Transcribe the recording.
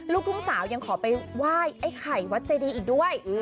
ลูกทุ่งสาวยังขอไปไหว้ไอ้ไข่วัดใจดีอีกด้วย